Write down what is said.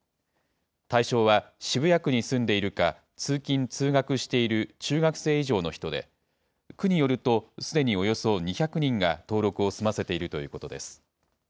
対象は渋谷区に住んでいるか、通勤・通学している中学生以上の人で、区によると、すでにおよそ２００人が登録を済ませているということです。